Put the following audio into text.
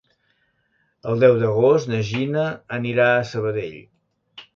El deu d'agost na Gina anirà a Sabadell.